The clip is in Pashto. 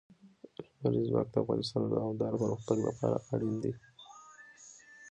لمریز ځواک د افغانستان د دوامداره پرمختګ لپاره اړین دي.